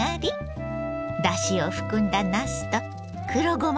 だしを含んだなすと黒ごま